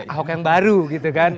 ahok yang baru gitu kan